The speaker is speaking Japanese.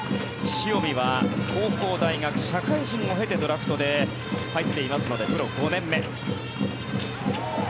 塩見は高校、大学、社会人を経てドラフトで入っていますのでプロ５年目。